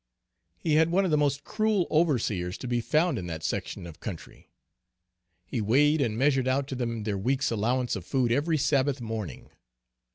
He had one of the most cruel overseers to be found in that section of country. He weighed and measured out to them, their week's allowance of food every Sabbath morning.